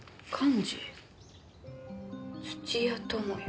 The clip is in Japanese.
「土屋友也」。